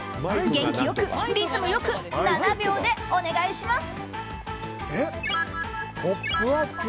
元気良くリズム良く、７秒でお願いします。